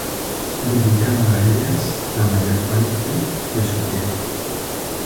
Dedicaba a ellas la mayor parte de su tiempo.